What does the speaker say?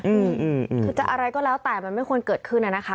อืมคือจะอะไรก็แล้วแต่มันไม่ควรเกิดขึ้นน่ะนะคะ